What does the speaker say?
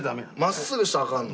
真っすぐにしたらアカンの？